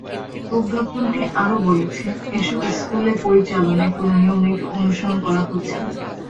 প্রজ্ঞাপনটি আরও বলেছে, এসব স্কুলের পরিচালনায় কোনো নিয়মনীতি অনুসরণ করা হচ্ছে না।